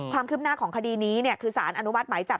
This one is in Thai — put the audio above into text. ความคืบหน้าของคดีนี้คือสารอนุมัติหมายจับ